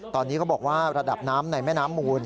ตอนนี้เขาบอกว่าระดับน้ำในแม่น้ำมูล